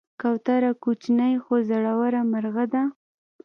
کوتره کوچنۍ خو زړوره مرغه ده.